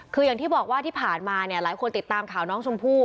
คืออย่างที่บอกว่าที่ผ่านมาเนี่ยหลายคนติดตามข่าวน้องชมพู่